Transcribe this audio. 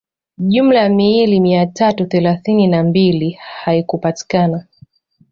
Jumla ya miili mia tatu thelathini na mbili haikupatikana